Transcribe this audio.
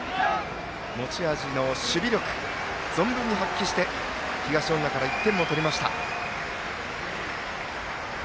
持ち味の守備力存分に発揮して、東恩納から１点を取りました。